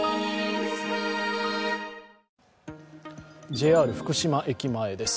ＪＲ福島駅前です。